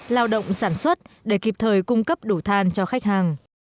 lao động sản xuất để kịp thời cung cấp đủ than cho khách hàng